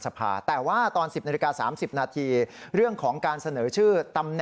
แล้วก็เสนอชื่อ